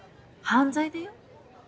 犯罪だよ。